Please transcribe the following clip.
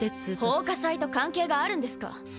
奉火祭と関係があるんですか？